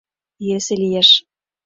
— Йӧсӧ лиеш.